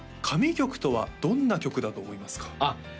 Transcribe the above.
神曲とはどんな曲だと思いますか？